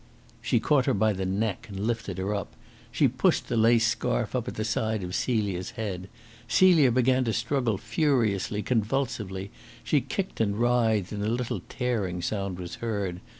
She caught her by the neck and lifted her up. She pushed the lace scarf up at the side of Celia's head. Celia began to struggle furiously, convulsively. She kicked and writhed, and a little tearing sound was heard.